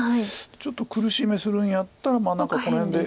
ちょっと苦しめにするんやったら何かこの辺で。